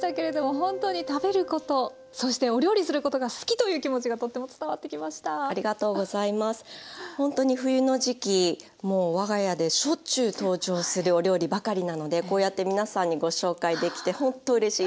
ほんとに冬の時期もう我が家でしょっちゅう登場するお料理ばかりなのでこうやって皆さんにご紹介できてほんとうれしいですはい。